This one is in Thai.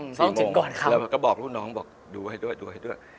๔โมงแล้วก็บอกลูกน้องดูไว้ด้วยดูไว้ด้วย